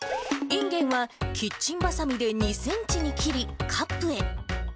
いんげんはキッチンばさみで２センチに切り、カップへ。